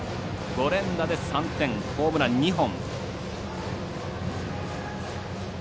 ５連打で３点、ホームラン２本。